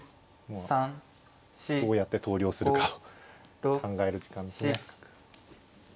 どうやって投了するかを考える時間ですね。